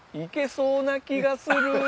いけそうな気がする！